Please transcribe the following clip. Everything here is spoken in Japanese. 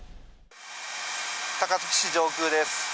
高槻市上空です。